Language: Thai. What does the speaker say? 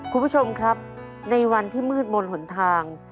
คุณผู้ชมครับในวันที่มืดมนต์หนทาง